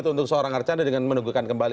untuk seorang arkanra dengan menunggu kembali